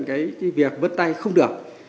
cái việc vân tay không được